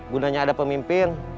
gunanya ada pemimpin